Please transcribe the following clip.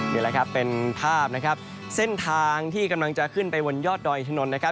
นี่แหละครับเป็นภาพนะครับเส้นทางที่กำลังจะขึ้นไปบนยอดดอยอินทนนทนะครับ